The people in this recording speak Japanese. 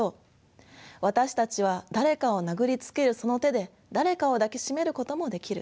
私たちは誰かを殴りつけるその手で誰かを抱き締めることもできる。